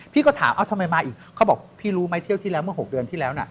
พี่ก็ถามทำไมมาอีกเขาบอกพี่รู้ไหมเที่ยวที่แล้วเมื่อ๖เดือนที่แล้วนะ